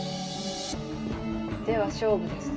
では勝負です。